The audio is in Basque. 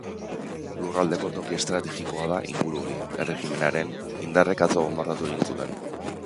Lurraldeko toki estrategikoa da inguru hori, erregimenaren indarrek atzo bonbardatu egin zuten.